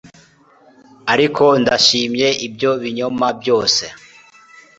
ariko ndashimye ibyo binyoma byose